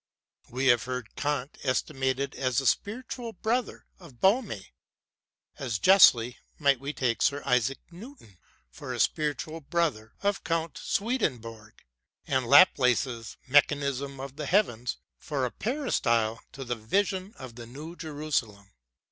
We have heard Kant esti mated as a spiritual brother of Bohme : as justly might we take Sir Isaac Newton for a spiritual brother of Count Swedenborg, and Laplace's Mechanism of the Heavens for a peristyle to the Vision of the New Jerusalem.